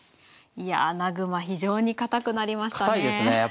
いや穴熊非常に堅くなりましたね。